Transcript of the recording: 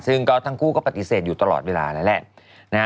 ซึ่งก็ทั้งคู่ก็ปฏิเสธอยู่ตลอดเวลาแล้วแหละ